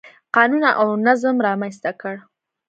قانون او نظم رامنځته کړ.